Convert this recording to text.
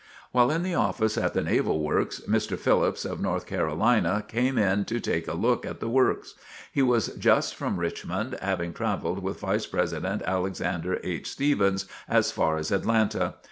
While in the office at the Naval Works, Mr. Phillips, of North Carolina, came in to take a look at the works. He was just from Richmond having travelled with Vice President Alexander H. Stephens as far as Atlanta.